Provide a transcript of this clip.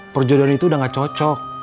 perjodohan itu udah gak cocok